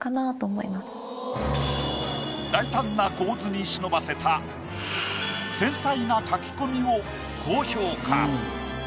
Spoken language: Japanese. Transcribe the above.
大胆な構図に忍ばせた繊細な描き込みを高評価。